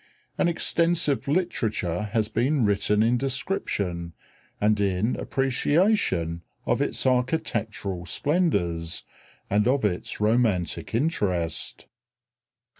An extensive literature has been written in description and in appreciation of its architectural splendors and of its romantic interest.